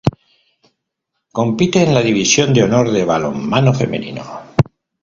Compite en la División de Honor de balonmano femenino.